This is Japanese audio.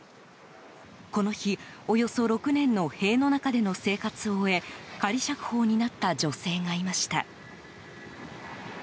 この日、およそ６年の塀の中での生活を終え仮釈放になった女性がいました。